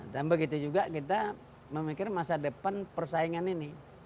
dan begitu juga kita memikir masa depan persaingan ini